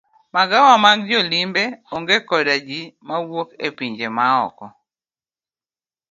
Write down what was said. Magawa mag jolimbe onge koda ji mawuok e pinje maoko.